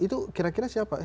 itu kira kira siapa